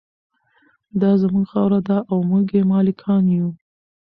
دا زموږ خاوره ده او موږ یې مالکان یو.